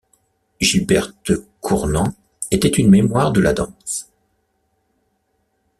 Gilberte Cournand était une mémoire de la danse.